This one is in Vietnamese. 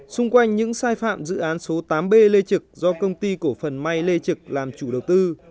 xung quanh những sai phạm dự án số tám b lê trực do công ty cổ phần may lê trực làm chủ đầu tư